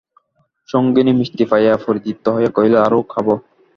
সঙ্গিনী মিষ্ট পাইয়া পরিতৃপ্ত হইয়া কহিল, আরও কাব।